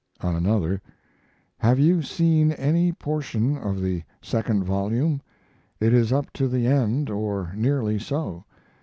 On another: Have you seen any portion of the second volume? It is up to the end, or nearly so.